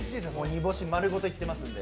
煮干し丸ごといってますんで。